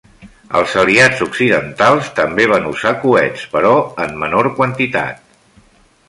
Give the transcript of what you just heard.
Els aliats occidentals també van usar coets però en menor quantitat.